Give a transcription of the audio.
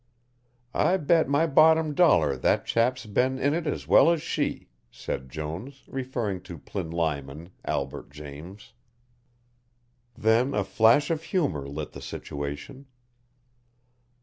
"I bet my bottom dollar that chap's been in it as well as she," said Jones, referring to Plinlimon, Albert James. Then a flash of humour lit the situation.